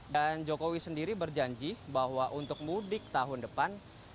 dan jokowi sendiri berjanji bahwa untuk mudik tahun depan